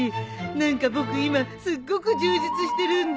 何か僕今すっごく充実してるんだ。